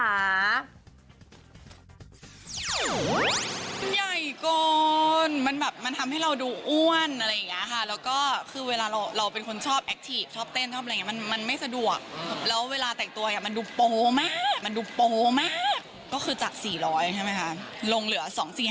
มันใหญ่เกินมันแบบมันทำให้เราดูอ้วนอะไรอย่างนี้ค่ะแล้วก็คือเวลาเราเป็นคนชอบแอคทีฟชอบเต้นชอบอะไรอย่างนี้มันไม่สะดวกแล้วเวลาแต่งตัวมันดูโปมากมันดูโปมากก็คือจาก๔๐๐ใช่ไหมคะลงเหลือ๒๔๐